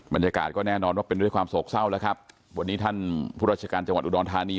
บรรยากาศก็แน่นอนว่าเป็นด้วยความโศกเศร้าแล้วครับวันนี้ท่านผู้ราชการจังหวัดอุดรธานี